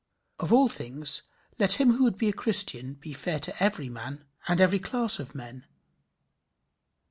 Of all things let him who would be a Christian be fair to every man and every class of men.